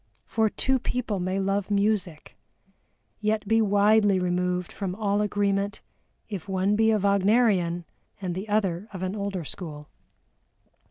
For two people may love music, yet be widely removed from all agreement if one be a Wagnerian, and the other of an older school.